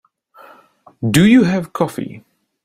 Do you have coffee?